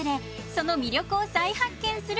その魅力を再発見する